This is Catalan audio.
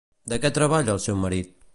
De què treballa el seu marit?